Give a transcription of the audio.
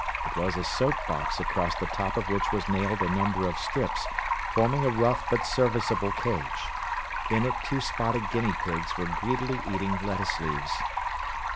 It was a soap box across the top of which were nailed a number of strips, forming a rough but serviceable cage. In it two spotted guinea pigs were greedily eating lettuce leaves.